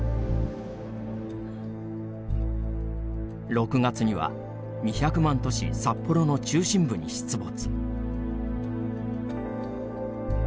６月には２００万都市札幌の中心部に出没。